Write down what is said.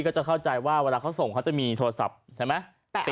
ก็จะเข้าใจว่าเวลาเขาส่งเขาจะมีโทรศัพท์ใช่ไหม